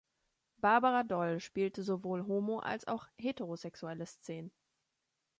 Barbara Doll spielte sowohl homo- als auch heterosexuelle Szenen.